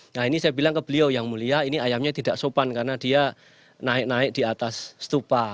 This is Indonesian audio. nah ini saya bilang ke beliau yang mulia ini ayamnya tidak sopan karena dia naik naik di atas stupa